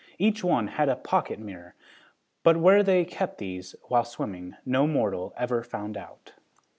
Each one had a pocket mirror, but where they kept these, while swimming, no mortal ever found out.